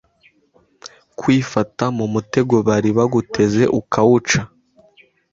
kwifata mumutego bari baguteze ukawuca